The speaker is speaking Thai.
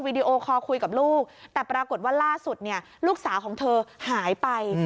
ดีโอคอลคุยกับลูกแต่ปรากฏว่าล่าสุดเนี่ยลูกสาวของเธอหายไป